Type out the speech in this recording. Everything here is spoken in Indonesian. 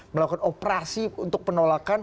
melakukan operasi untuk penolakan